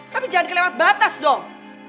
tapi jangan kelewat batas dong